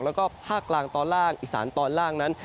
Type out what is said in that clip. แล้วก็ภาคกลางตอนล่างอีสานตอนล่างนั้น